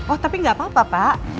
oh tapi nggak apa apa pak